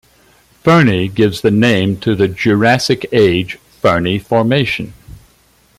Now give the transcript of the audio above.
Fernie gives the name to the Jurassic-Age Fernie Formation.